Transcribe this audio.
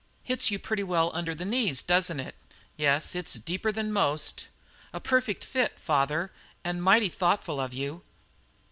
"Hits you pretty well under the knees, doesn't it? Yes, it's deeper than most." "A perfect fit, father, and mighty thoughtful of you."